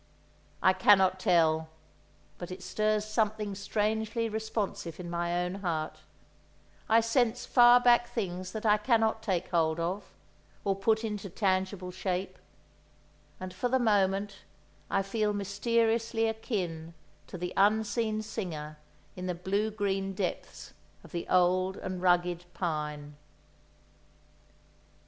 I cannot tell, but it stirs something strangely responsive in my own heart; I sense far back things that I cannot take hold of, or put into tangible shape, and for the moment I feel mysteriously akin to the unseen singer in the blue green depths of the old and rugged pine.